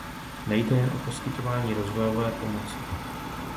Nejde jen o poskytování rozvojové pomoci.